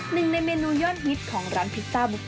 หนึ่งในเมนูยอดฮิตของร้านพิซซ่ามุก